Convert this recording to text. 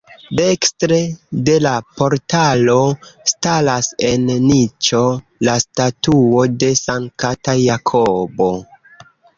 Dekstre de la portalo staras en niĉo la statuo de Sankta Jakobo.